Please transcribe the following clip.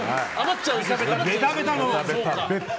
ベタベタの。